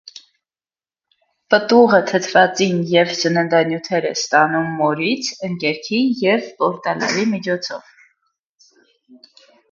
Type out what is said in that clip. Պտուղը թթվածին և սննդանյութեր է ստանում մորից՝ ընկերքի և պորտալարի միջոցով։